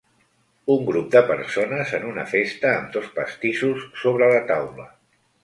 Un grup de persones en una festa amb dos pastissos sobre la taula.